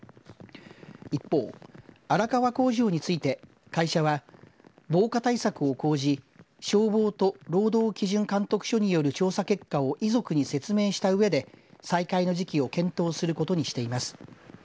一方、荒川工場について会社は防火対策を講じ消防と労働基準監督署による調査結果を遺族に説明したうえで再開の時期を検討することにしています。